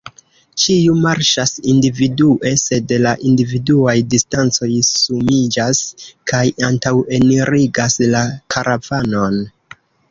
Ĉiu marŝas individue, sed la individuaj distancoj sumiĝas kaj antaŭenirigas la karavanon.